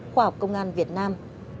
khoa học công an việt nam